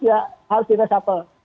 ya harus di resapel